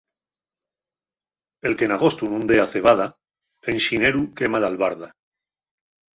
El que n’agostu nun dea cebada, en xineru quema l’albarda.